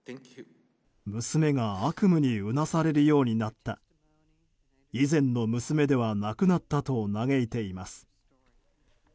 娘が悪夢にうなされるようになった以前の娘ではなくなったと嘆いています。